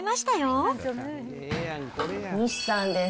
西さんです。